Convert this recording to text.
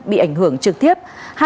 bị ảnh hưởng trực tiếp